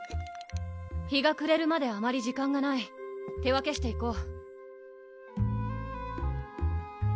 日がくれるまであまり時間がない手分けしていこう！